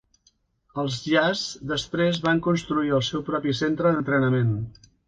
Els Jazz després van construir el seu propi centre d'entrenament.